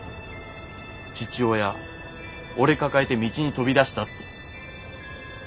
父親俺抱えて道に飛び出したって。